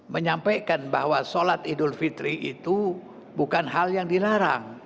menyampaikan bahwa sholat idul fitri itu bukan hal yang dilarang